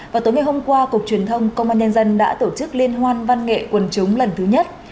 và tối ngày hôm qua cục truyền thông công an nhân dân đã tổ chức liên hoan văn nghệ quần chúng lần thứ nhất